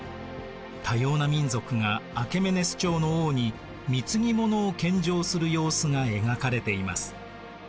多様な民族がアケメネス朝の王に貢ぎ物を献上する様子が描かれています。